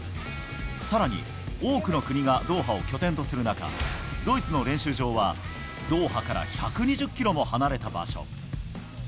さらに、多くの国がドーハを拠点とする中、ドイツの練習場はドーハから１２０キロも離れた場所。